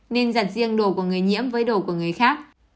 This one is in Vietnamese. nên giặt riêng đồ của người nhiễm với đồ của người khác